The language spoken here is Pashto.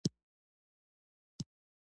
د شپې تمبې اوباسي.